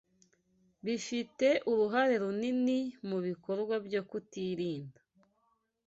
bifite uruhare runini mu bikorwa byo kutirinda